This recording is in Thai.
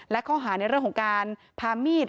และข้อหาในเรื่องของการพามีด